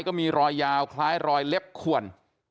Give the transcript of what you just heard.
ก็มีรอยยาวคล้ายรอยเล็บขวน